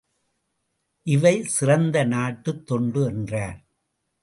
இவை, சிறந்த நாட்டுத் தொண்டு என்றார்.